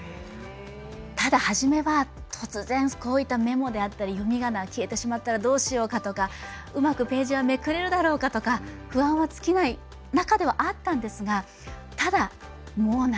ただ初めは突然こういったメモであったり読みがなが消えてしまったらどうしようかとかうまくページはめくれるだろうかとか不安は尽きない中ではあったんですがただもう慣れました。